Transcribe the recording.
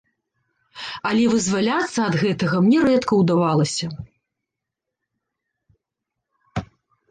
Але вызваляцца ад гэтага мне рэдка ўдавалася.